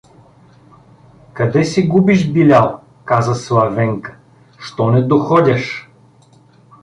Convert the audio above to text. — Къде се губиш, Билял? — каза Славенка. — Що не доходяш?